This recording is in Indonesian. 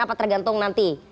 atau tergantung nanti